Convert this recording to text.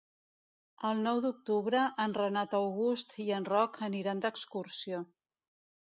El nou d'octubre en Renat August i en Roc aniran d'excursió.